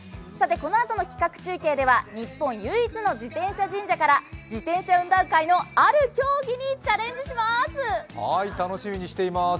このあとの企画中継では日本唯一の自転車神社から自転車運動界のある競技にチャレンジします。